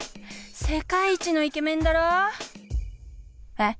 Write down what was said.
世界一のイケメンだろ？え？